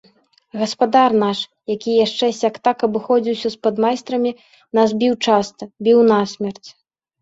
Гаспадар наш, які яшчэ сяк-так абыходзіўся з падмайстрамі, нас біў часта, біў насмерць.